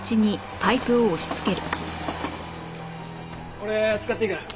これ使っていいから。